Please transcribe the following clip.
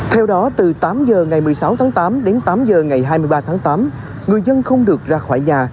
theo đó từ tám giờ ngày một mươi sáu tháng tám đến tám h ngày hai mươi ba tháng tám người dân không được ra khỏi nhà